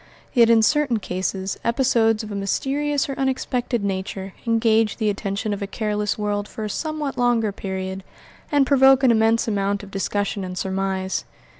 Yet in certain cases episodes of a mysterious or unexpected nature engage the attention of a careless world for a somewhat longer period, and provoke an immense amount of discussion and surmise.